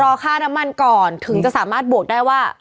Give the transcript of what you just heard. ค่าน้ำมันก่อนถึงจะสามารถบวกได้ว่า